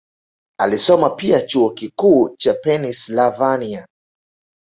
Alisoma pia Chuo Kikuu cha Pennsylvania